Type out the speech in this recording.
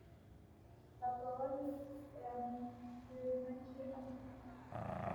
La parole est à Monsieur Mathieu Hanotin.